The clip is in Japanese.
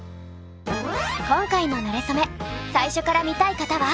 今回の「なれそめ！」最初から見たい方は。